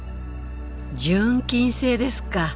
純金製ですか。